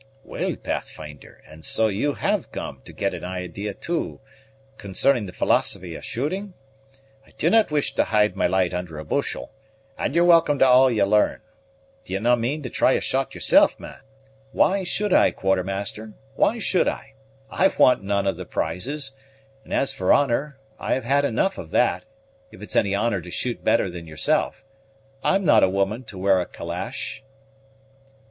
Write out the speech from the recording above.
"Well Pathfinder, and so you have come to get an idea too, concerning the philosophy of shooting? I do not wish to hide my light under a bushel, and yer welcome to all ye'll learn. Do ye no' mean to try a shot yersel', man?" "Why should I, Quartermaster, why should I? I want none of the prizes; and as for honor, I have had enough of that, if it's any honor to shoot better than yourself. I'm not a woman to wear a calash."